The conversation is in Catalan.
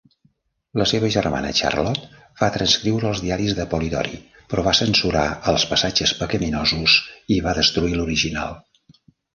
La seva germana Charlotte va transcriure els diaris de Polidori, però va censurar els "passatges pecaminosos" i va destruir l'original.